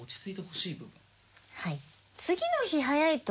はい。